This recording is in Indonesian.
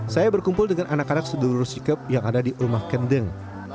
saya berkumpul dengan anak anak sedulur sedulur sikap yang ada di rumah kendeng